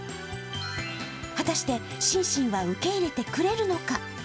果たしてシンシンは受け入れてくれるのか。